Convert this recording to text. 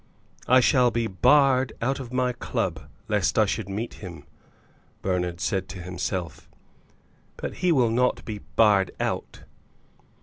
"I shall be barred out of my club lest I should meet him," Bernard said to himself, "but he will not be barred out."